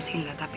sih enggak tapi